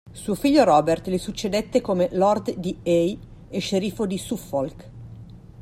Suo figlio Robert gli succedette come Lord di Eye e sceriffo di Suffolk.